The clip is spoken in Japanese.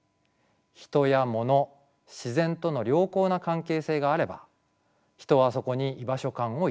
ヒトやモノ自然との良好な関係性があれば人はそこに居場所感を抱きます。